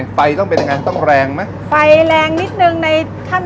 จากนั้นเราก็ใส่สุ่งไว้